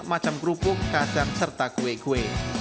macam kerupuk kacang serta kue kue